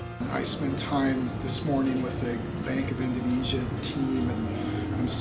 saya menghabiskan waktu pagi ini dengan tim bank indonesia